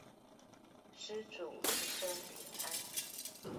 施主一生平安